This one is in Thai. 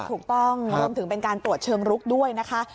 รวมถึงเป็นการตรวจเชิงลุกด้วยนะคะ